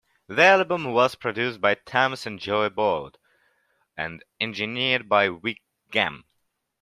The album was produced by Tams and Joe Boyd, and engineered by Vic Gamm.